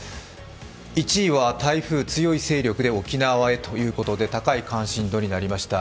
１位は台風、強い勢力で沖縄へということで高い関心度になりました。